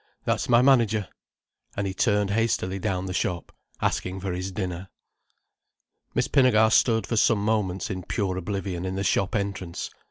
"That's my manager." And he turned hastily down the shop, asking for his dinner. Miss Pinnegar stood for some moments in pure oblivion in the shop entrance.